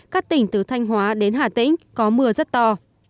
các tỉnh từ thanh hóa đến hà tĩnh có mưa rất to